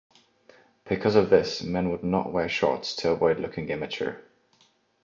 Because of this, men would not wear shorts to avoid looking immature.